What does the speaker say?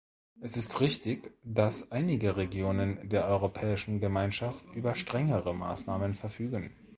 Es ist richtig, dass einige Regionen der Europäischen Gemeinschaft über strengere Maßnahmen verfügen.